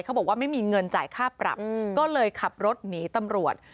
บอกว่าไม่มีเงินจ่ายค่าปรับก็เลยขับรถหนีตำรวจ